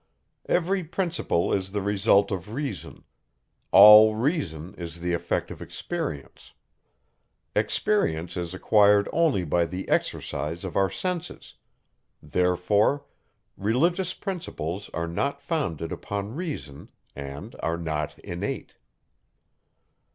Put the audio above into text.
Every principle is the result of reason; all reason is the effect of experience; experience is acquired only by the exercise of our senses: therefore, religious principles are not founded upon reason, and are not innate.